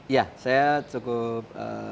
ya saya cukup